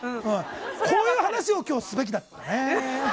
こういう話を今日はすべきだったね。